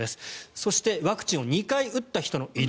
そして、ワクチンを２回打った人の移動